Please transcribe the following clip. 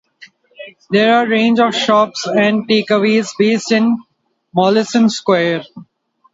There are a range of shops and take-away's based in Mollison Square.